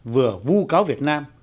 vừa vu cáo việt nam